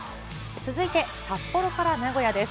続いて札幌から名古屋です。